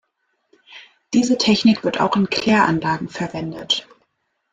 Diese Technik wird auch in Kläranlagen verwendet.